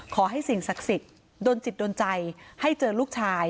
ขอให้สิ่งศักดิ์สิทธิ์โดนจิตโดนใจให้เจอลูกชาย